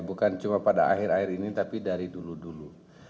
bukan cuma pada akhir akhir ini tapi dari dulu dulu